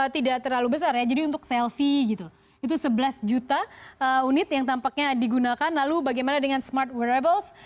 tidak terlalu besar ya jadi untuk selfie gitu itu sebelas juta unit yang tampaknya digunakan lalu bagaimana dengan smart wearables